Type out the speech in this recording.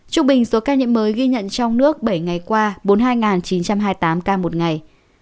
trung bình số ca nhiễm mới ghi nhận trong nước bảy ngày qua bốn mươi hai chín trăm hai mươi tám ca một ngày